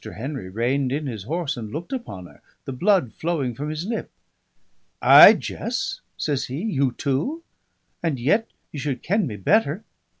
Henry reined in his horse and looked upon her, the blood flowing from his lip. "Ay, Jess?" says he. "You too? And yet ye should ken me better."